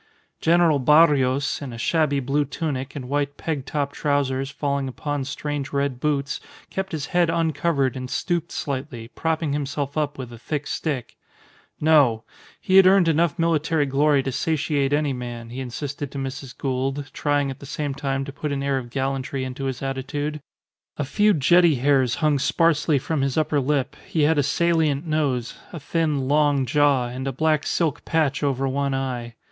General Barrios, in a shabby blue tunic and white peg top trousers falling upon strange red boots, kept his head uncovered and stooped slightly, propping himself up with a thick stick. No! He had earned enough military glory to satiate any man, he insisted to Mrs. Gould, trying at the same time to put an air of gallantry into his attitude. A few jetty hairs hung sparsely from his upper lip, he had a salient nose, a thin, long jaw, and a black silk patch over one eye.